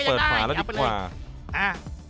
ผมเอาที่มันเปิดผ่านแล้วดีกว่า